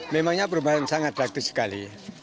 memangnya perubahan sangat praktis sekali